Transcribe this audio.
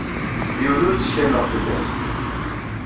Yiwen ur ttkaleɣ fell-as.